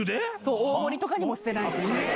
大盛りとかもしてないです。